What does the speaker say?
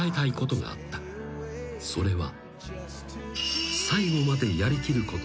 ［それは］